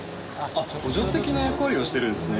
補助的な役割をしてるんですね。